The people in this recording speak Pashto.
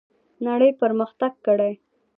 نړۍ پرمختګ کړی.